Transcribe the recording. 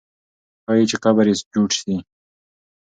ښایي چې قبر یې جوړ سي.